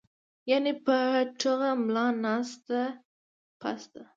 يعني پۀ ټوغه ملا ناسته پاسته